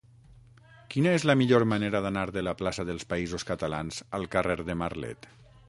Quina és la millor manera d'anar de la plaça dels Països Catalans al carrer de Marlet?